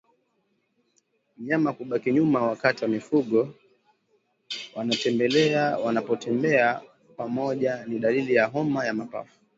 Mnyama kubaki nyuma wakati mifugo wanapotembea pamoja ni dalili ya homa ya mapafu